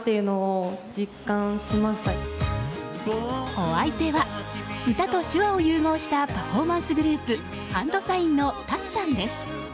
お相手は、歌と手話を融合したパフォーマンスグループＨＡＮＤＳＩＧＮのＴＡＴＳＵさんです。